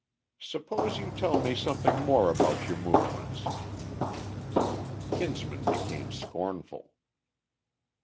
Suppose you tell me something more about your movements?" Kinsman became scornful.